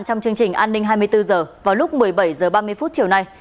trong chương trình an ninh hai mươi bốn h vào lúc một mươi bảy h ba mươi chiều nay